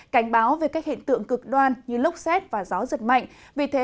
cảnh báo về các hiện tượng cực đoan như lốc xét và gió giật mạnh